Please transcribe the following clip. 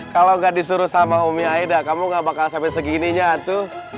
kalau enggak disuruh sama umi aida kamu enggak bakal sampai segininya antu